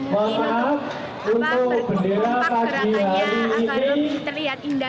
untuk berkempak kerangannya agar lebih terlihat indah